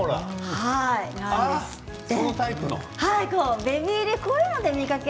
そのタイプの？